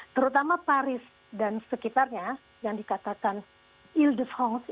terutama paris dan sekitarnya yang dikatakan ile de france